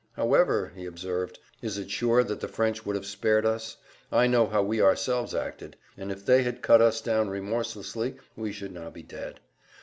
"However," he observed, "is it sure that the French would have spared us? I know how we ourselves acted; and if they had cut us down remorselessly we should now be dead.